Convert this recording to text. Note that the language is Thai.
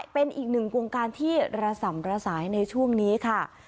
เป็นอีกหนึ่งวงการที่ระส่ำระสายในช่วงนี้ค่ะ